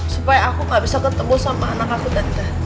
supaya aku gak bisa ketemu sama anak aku dan